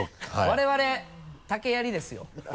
我々竹やりですよ。